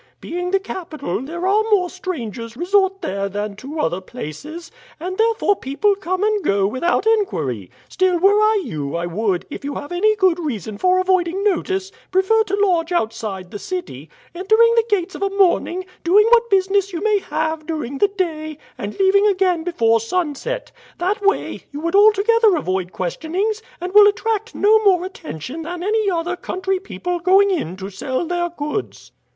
Being the capital there are more strangers resort there than to other places, and therefore people come and go without inquiry; still were I you I would, if you have any good reason for avoiding notice, prefer to lodge outside the city, entering the gates of a morning, doing what business you may have during the day, and leaving again before sunset. That way you would altogether avoid questionings, and will attract no more attention than other country people going in to sell their goods."